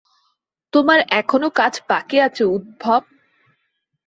তোমার এখনো কাজ বাকি আছে, উদ্ধব।